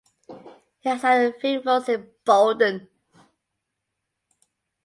He has had film roles in Bolden!